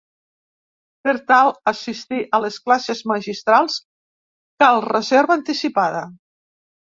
Per tal assistir a les classes magistrals cal reserva anticipada.